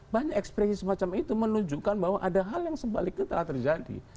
banyak ekspresi semacam itu menunjukkan bahwa ada hal yang sebaliknya telah terjadi